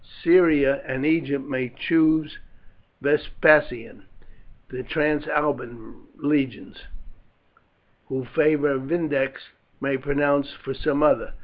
Syria and Egypt may choose Vespasian; the Transalpine legions, who favoured Vindex, may pronounce for some other.